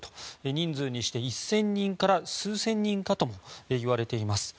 人数にして１０００人から数千人ともいわれています。